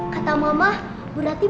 kata mama bu rati bawa ibu itu ke rumah